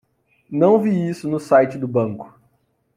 Não vi isso no site do banco